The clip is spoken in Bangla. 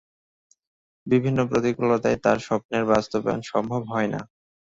বিভিন্ন প্রতিকূলতায় তার স্বপ্নের বাস্তবায়ন সম্ভব হয়না।